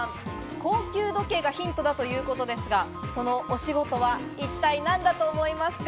高級時計がヒントだということですが、そのお仕事は一体何だと思いますか？